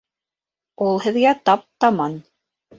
Ул һеҙгә тап-таман